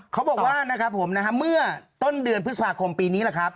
เขาบอกว่านะครับผมเมื่อต้นเดือนพฤษภาคมปีนี้